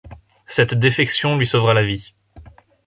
Cette défection lui sauvera la vie.